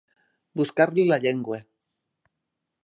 Buscar-li la llengua.